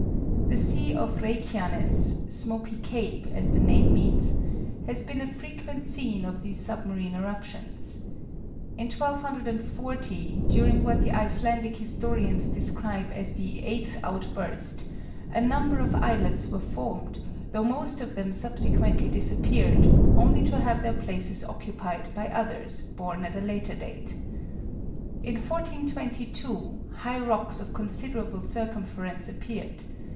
The sea off Reykjanes Smoky Cape, as the name means has been a frequent scene of these submarine eruptions. In 1240, during what the Icelandic historians describe as the eighth outburst, a number of islets were formed, though most of them subsequently disappeared, only to have their places occupied by others born at a later date. In 1422 high rocks of considerable circumference appeared.